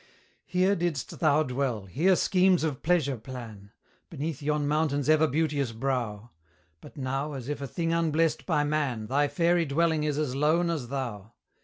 Here didst thou dwell, here schemes of pleasure plan. Beneath yon mountain's ever beauteous brow; But now, as if a thing unblest by man, Thy fairy dwelling is as lone as thou!